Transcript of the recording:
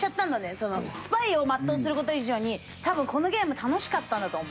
そのスパイを全うする事以上に多分このゲーム楽しかったんだと思う。